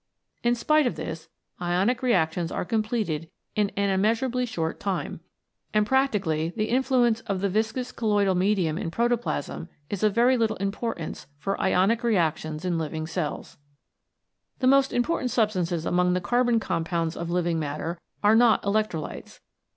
In spite of this, ionic reactions are completed in an immeasurably short time, and 75 CHEMICAL PHENOMENA IN LIFE practically the influence of the viscous colloidal medium in protoplasm is of very little importance for ionic reactions in living cells. The most important substances among the carbon compounds of living matter are not electrolytes.